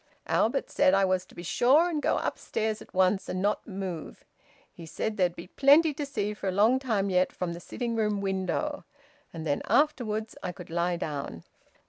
Albert said I was to be sure and go upstairs at once and not move. He said there'd be plenty to see for a long time yet from the sitting room window, and then afterwards I could lie down."